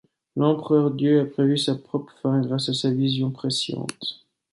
L’Empereur-Dieu a prévu sa propre fin grâce à sa vision presciente.